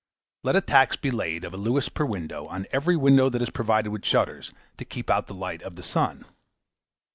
Let a tax be laid of a louis per window, on every window that is provided with shutters to keep out the light of the sun.